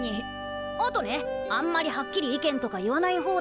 あとねあんまりはっきり意見とか言わない方だし。